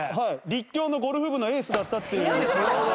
立教のゴルフ部のエースだったっていう。